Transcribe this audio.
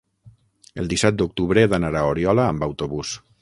El disset d'octubre he d'anar a Oriola amb autobús.